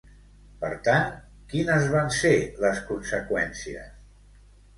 Per tant, quines van ser les conseqüències?